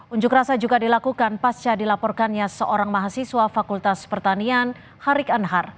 unjuk rasa juga dilakukan pasca dilaporkannya seorang mahasiswa fakultas pertanian harik anhar